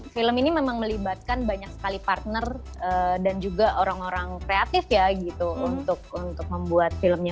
film ini memang melibatkan banyak sekali partner dan juga orang orang kreatif ya gitu untuk membuat filmnya